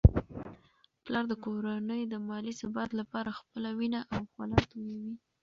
پلار د کورنی د مالي ثبات لپاره خپله وینه او خوله تویوي.